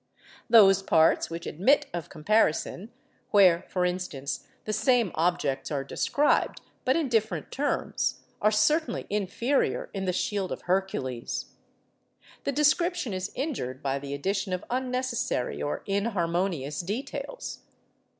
Those parts which admit of comparison—where, for instance, the same objects are described, but in different terms—are certainly inferior in the 'Shield of Hercules.' The description is injured by the addition of unnecessary or inharmonious details.